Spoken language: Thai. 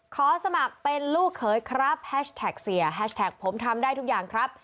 สมัครเป็นลูกเขยครับแฮชแท็กเสียแฮชแท็กผมทำได้ทุกอย่างครับ